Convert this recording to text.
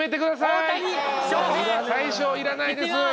最初いらないです。